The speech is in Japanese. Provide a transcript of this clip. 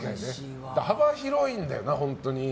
幅広いんだよな、本当に。